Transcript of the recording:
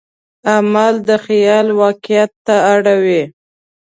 عمل د خیال واقعیت ته اړوي.